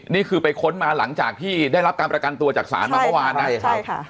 นี่คือไปค้นมาหลังจากที่ได้รับการประกันตัวจากศาลมาเมื่อวานนะครับ